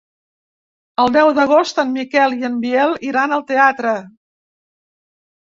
El deu d'agost en Miquel i en Biel iran al teatre.